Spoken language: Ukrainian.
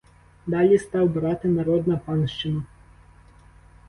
Далі став брати народ на панщину.